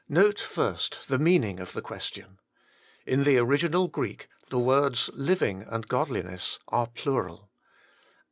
Note first the meaning of the question. In the original Greek, the words living and godliness are plural.